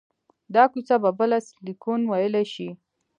دا کوڅه به بله سیلیکون ویلي شي